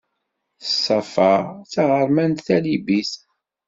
Safa d taɣermant talibit.